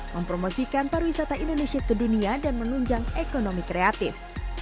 mempromosikan pariwisata indonesia ke dunia dan menunjang ekonomi kreatif